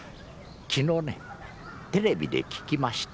昨日ねテレビで聞きました。